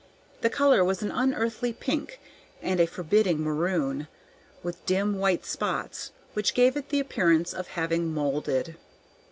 The color was an unearthly pink and a forbidding maroon, with dim white spots, which gave it the appearance of having moulded.